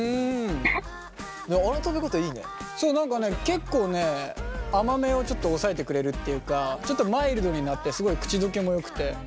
結構ね甘めをちょっと抑えてくれるっていうかちょっとマイルドになってすごい口溶けもよくて。